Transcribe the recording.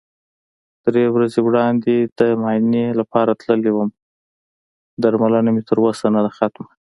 درې ورځې وړاندې د معاینې لپاره تللی وم، درملنه مې تر اوسه نده ختمه.